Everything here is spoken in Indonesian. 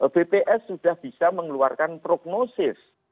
bps sudah bisa mengeluarkan prognosis